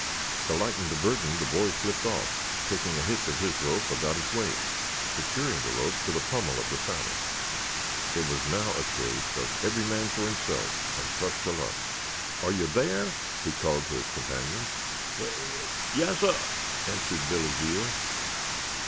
To lighten the burden the boy slipped off, taking a hitch of his rope about his waist, securing the rope to the pommel of the saddle. It was now a case of every man for himself and trust to luck. "Are you there?" he called to his companions. "Ya yassir," answered Billy Veal.